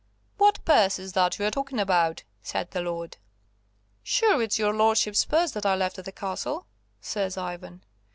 "What purse is that you are talking about?" said the lord. "Sure, it's your lordship's purse that I left at the castle," says Ivan.